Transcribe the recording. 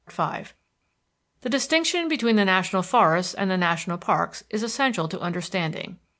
V The distinction between the national forests and the national parks is essential to understanding.